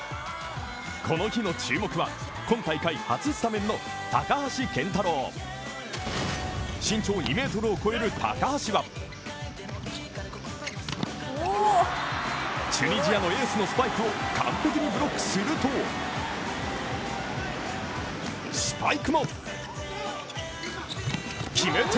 この日の注目は今大会初スタメンの高橋健太郎身長２ｍを超える高橋はチュニジアのエースのスパイクを完璧にブロックするとスパイクも決めて！